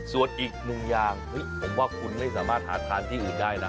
ส่วนอีกหนึ่งอย่างผมว่าคุณไม่สามารถหาทานที่อื่นได้นะ